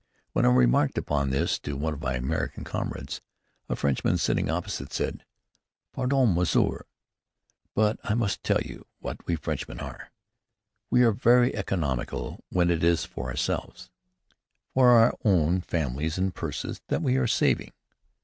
When I remarked upon this to one of my American comrades, a Frenchman, sitting opposite, said: "Pardon, monsieur, but I must tell you what we Frenchmen are. We are very economical when it is for ourselves, for our own families and purses, that we are saving.